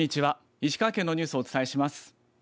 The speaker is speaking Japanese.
石川県のニュースをお伝えします。